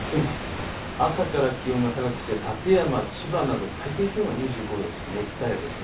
朝から気温が高くて館山、千葉など最低気温が２５度、熱帯夜です。